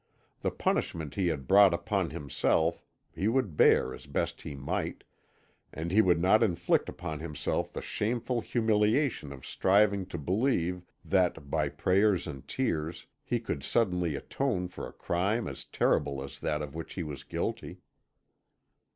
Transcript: The punishment he had brought upon himself he would bear as best he might, and he would not inflict upon himself the shameful humiliation of striving to believe that, by prayers and tears, he could suddenly atone for a crime as terrible as that of which he was guilty.